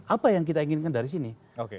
apa yang kita inginkan dari sini